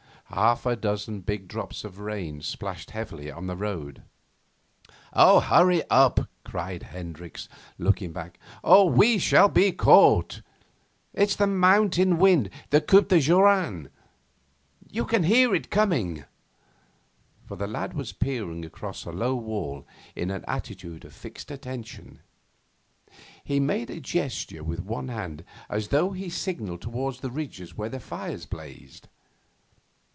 Half a dozen big drops of rain splashed heavily on the road. 'Hurry up!' cried Hendricks, looking back, 'or we shall be caught. It's the mountain wind the coup de joran. You can hear it coming!' For the lad was peering across a low wall in an attitude of fixed attention. He made a gesture with one hand, as though he signalled towards the ridges where the fires blazed.